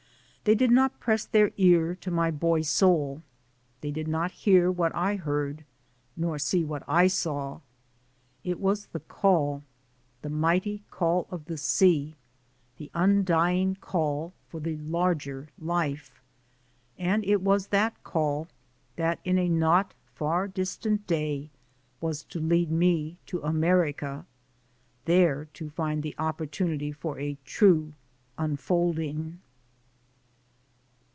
They did not press their ear to my boy soul; they did not hear what I heard, nor see what I saw. It was the call, the mighty call of the sea, the undying call for the larger life. And it was that call that in a not far distant day was to lead me to America, there to find the opportunity for a true unfolding.